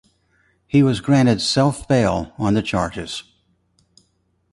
He was granted self bail on the charges.